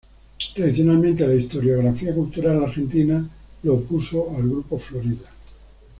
Tradicionalmente, la historiografía cultural argentina lo opuso al grupo Florida.